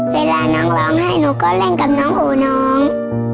เวลาน้องร้องไห้หนูก็เล่นกับน้องโหน้อง